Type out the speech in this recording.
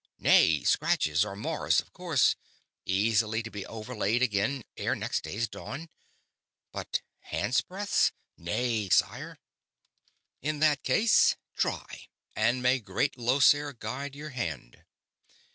Nay. Scratches and mars, of course, easily to be overlaid again ere next day's dawn. But handsbreadths? Nay, sire." "In that case, try; and may Great Llosir guide your hand."